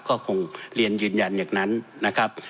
ก็คงเรียนยืนยันอย่างนั้นนะครับ